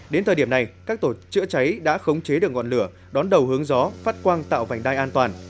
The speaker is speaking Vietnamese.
đến thời điểm này các tổ chữa cháy đã khống chế được ngọn lửa đón đầu hướng gió phát quang tạo vành đai an toàn